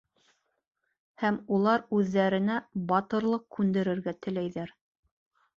Һәм улар үҙҙәренә батырлыҡ күндерергә теләйҙәр.